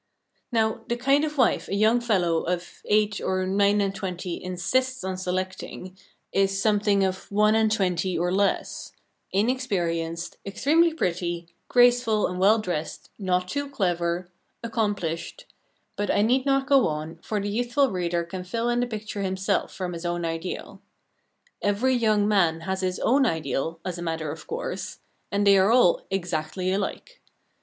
Now, the kind of wife a young fellow of eight or nine and twenty insists on selecting is something of one and twenty or less, inexperienced, extremely pretty, graceful, and well dressed, not too clever, accomplished; but I need not go on, for the youthful reader can fill in the picture himself from his own ideal. Every young man has his own ideal, as a matter of course, and they are all exactly alike.